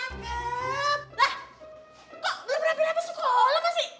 lah kok belum rapi rapi sekolah pasti